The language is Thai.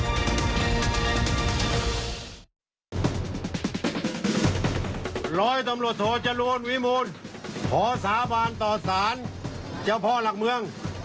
ร้อยตำรวจโทจรูลวิมูลขอสาบานต่อสารเจ้าพ่อหลักเมือง